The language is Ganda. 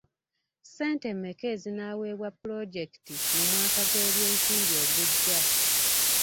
Ssente mmeka ezinaaweebwa pulojekiti mu mwaka gw'ebyensimbi ogujja?